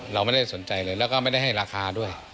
เราไม่ได้สนใจเลยแล้วก็ไม่ได้ให้ราคาด้วย